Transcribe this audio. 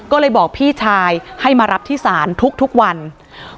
ก็เลยบอกพี่ชายให้มารับที่ศาลทุกวัน